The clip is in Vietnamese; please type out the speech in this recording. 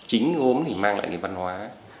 chính gốm thì mang lại cái văn hóa